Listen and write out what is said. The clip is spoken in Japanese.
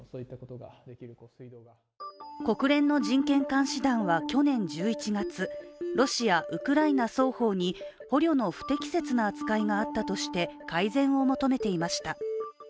国連の人権監視団は去年１１月、ロシア、ウクライナ双方に捕虜の不適切な扱いがあったとして改善を求めていました。